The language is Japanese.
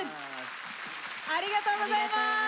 ありがとうございます。